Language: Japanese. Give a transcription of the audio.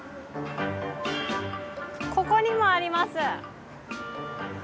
ここにもあります。